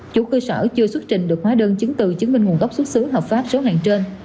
chủ cơ sở chưa xuất trình được hóa đơn chứng từ chứng minh nguồn gốc xuất xứ hợp pháp số hàng trên